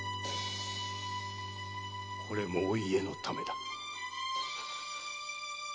これもお家のためだ。